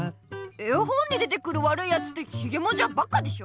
絵本に出てくるわるいやつってひげもじゃばっかでしょ！